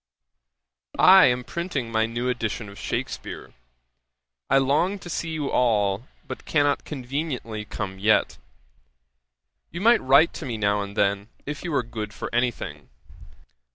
'I am printing my new edition of Shakspeare. 'I long to see you all, but cannot conveniently come yet. You might write to me now and then, if you were good for any thing.